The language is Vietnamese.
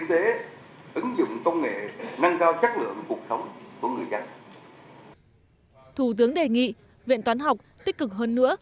ứng dụng công nghệ trong cuộc sống của người dân thủ tướng đề nghị viện toán học tích cực hơn nữa